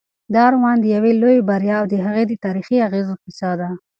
دا رومان د یوې لویې بریا او د هغې د تاریخي اغېزو کیسه ده.